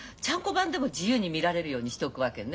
番でも自由に見られるようにしとくわけね。